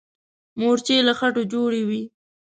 مورچې له خټو جوړې وي.